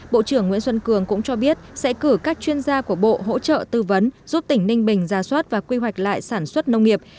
bộ trưởng nguyễn xuân cường cũng cho biết sẽ cử các chuyên gia của bộ hỗ trợ tư vấn giúp tỉnh ninh bình ra soát và quy hoạch lại sản xuất nông nghiệp